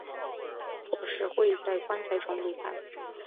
或是会在棺材中离开。